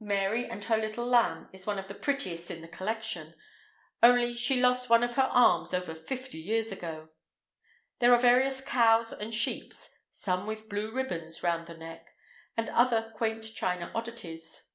Mary and her little Lamb is one of the prettiest in the collection, only she lost one of her arms over fifty years ago! There are various cows and sheep (some with blue ribbons round the neck), and other quaint china oddities.